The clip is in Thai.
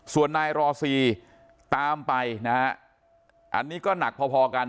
ส่วนนายรอซีตามไปนะฮะอันนี้ก็หนักพอพอกัน